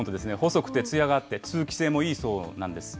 細くてつやがあって、通気性もいいそうなんです。